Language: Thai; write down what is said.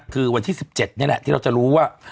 คือวันที่๑๗นี่แหละที่เราจะรู้ว่า